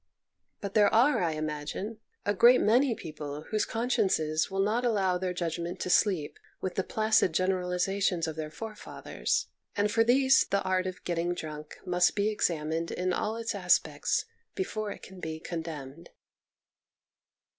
But there are, I imagine, 1TO THE VIRTUES OF GETTING DRUNK 171 a great many people whose consciences will not allow their judgment to sleep with the placid generalizations of their forefathers, and for these the art of get ting drunk must be examined in all its as pects before it can be condemned.